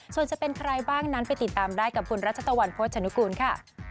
ส่วนจะเป็นใครบ้างนั้นไปติดตามได้กับคุณรัชตะวันโภชนุกูลค่ะ